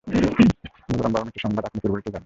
বলরামবাবু মৃত্যুসংবাদ আপনি পূর্ব হইতেই জানেন।